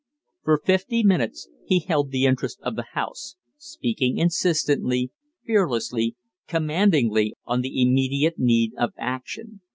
For fifty minutes he held the interest of the House, speaking insistently, fearlessly, commandingly on the immediate need of action.